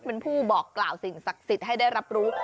เป็นผู้บอกกล่าวสิ่งศักดิ์สิทธิ์ให้ได้รับรู้